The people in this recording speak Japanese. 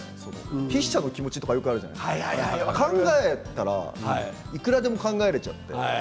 筆者の気持ちとかがあるじゃないですか考えたらいくらでも考えられちゃう。